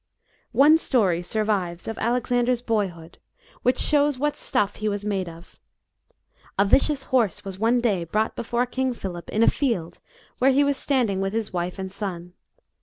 One story survives of Alexander's boyhood, which B.C. 344.] ALEXANDER AND HIS HORSE. 133 shows what stuff he was made of. A vicious horse was one day brought before King Philip in a field where he was standing with his wife and son.